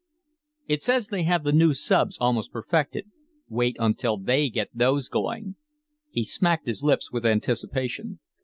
"It says they have the new subs almost perfected. Wait until they get those going." He smacked his lips with anticipation.